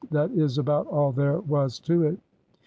That is about all there was to it.'